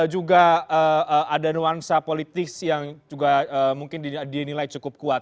juga ada nuansa politis yang juga mungkin dinilai cukup kuat